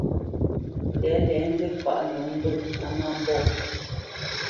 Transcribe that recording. Tɛ̌lɛ nzî fǎʼ nǒ mbə̄ á má mbɔ̂.